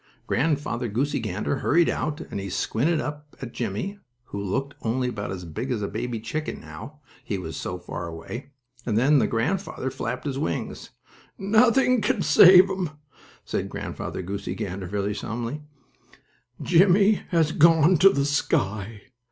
Grandfather Goosey Gander hurried out, and he squinted up at Jimmie, who looked only about as big as a baby chicken now, he was so far away, and then the Grandfather flapped his wings. "Nothing can save him!" said Grandfather Goosey Gander, very solemnly, "Jimmie has gone to the sky!"